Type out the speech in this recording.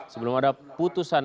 sebelum ada putusan